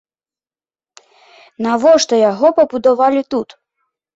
Навошта яго пабудавалі тут?